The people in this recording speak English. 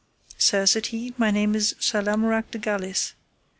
Sir, said he, my name is Sir Lamorak de Galis.